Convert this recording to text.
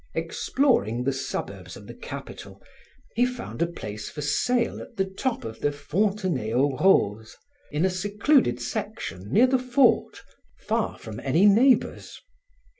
Exploring the suburbs of the capital, he found a place for sale at the top of Fontenay aux Roses, in a secluded section near the fort, far from any neighbors.